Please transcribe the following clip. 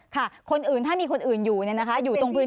ค่ะคนอื่นถ้ามีคนอื่นอยู่เนี่ยนะคะอยู่ตรงพื้น